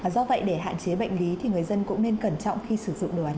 do vậy để hạn chế bệnh lý thì người dân cũng nên cẩn trọng khi sử dụng đồ án